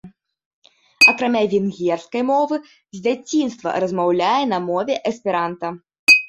Акрамя венгерскай мовы, з дзяцінства размаўляе на мове эсперанта.